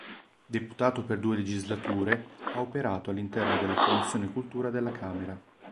Deputato per due legislature, ha operato all'interno della commissione cultura della Camera.